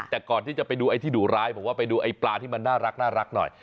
แต่ก่อนที่จะไปดูไอ้ที่ดุร้ายผมว่าไปดูไอ้ปลาที่มันน่ารักหน่อย